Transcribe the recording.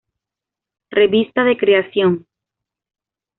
Revista de Creación.